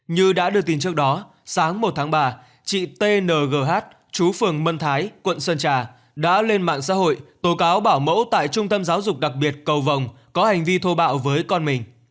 như đã được tin trước đó sáng một tháng ba chị t n g h chú phường mân thái quận sơn trà đã lên mạng xã hội tổ cáo bảo mẫu tại trung tâm giáo dục đặc biệt cầu vòng có hành vi thô bạo với con mình